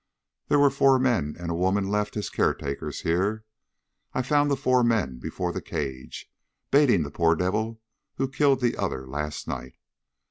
There were four men and a woman left as caretakers here. I found the four men before the cage, baiting the poor devil who'd killed the other last night.